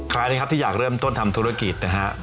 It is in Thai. ใครนะครับที่อยากเริ่มต้นทำธุรกิจนะฮะ